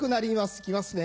行きますね。